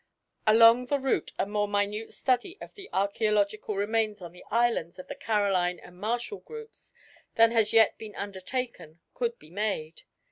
Along the route a more minute study of the archæological remains on the islands of the Caroline and Marshall groups than has yet been undertaken could be made.